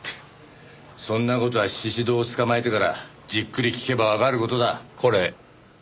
そんな事は宍戸を捕まえてからじっくり聞けばわかる事だ。